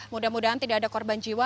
mudah mudahan tidak ada korban jiwa